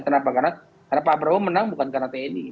kenapa karena pak prabowo menang bukan karena tni